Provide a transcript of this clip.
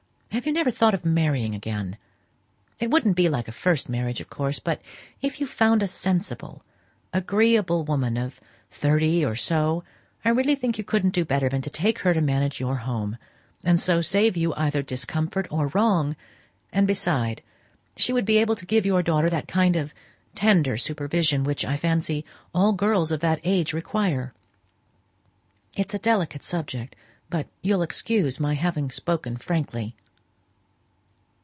Have you never thought of marrying again? It wouldn't be like a first marriage, of course; but if you found a sensible, agreeable woman of thirty or so, I really think you couldn't do better than take her to manage your home, and so save you either discomfort or worry; and, besides, she would be able to give your daughter that kind of tender supervision which, I fancy, all girls of that age require. It's a delicate subject, but you'll excuse my having spoken frankly."